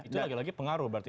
itu lagi lagi pengaruh berarti